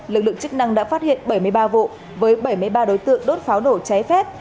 lực lượng chức năng đã phát hiện bảy mươi ba vụ với bảy mươi ba đối tượng đốt pháo nổ cháy phép